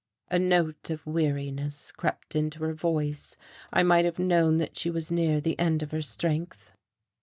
A note of weariness crept into her voice. I might have known that she was near the end of her strength.